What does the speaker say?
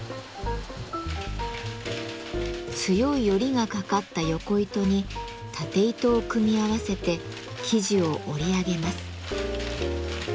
強いヨリがかかったヨコ糸にタテ糸を組み合わせて生地を織り上げます。